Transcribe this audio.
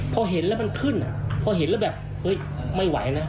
พอเห็นแล้วมันขึ้นพอเห็นแล้วแบบเฮ้ยไม่ไหวนะ